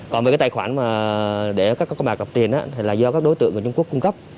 còn về cái tài khoản để các con bạc đọc tiền là do các đối tượng của trung quốc cung cấp